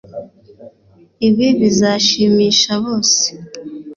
Ibi bizashimisha bose